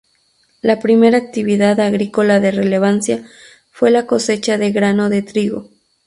La primera actividad agrícola de relevancia fue la cosecha de grano de trigo.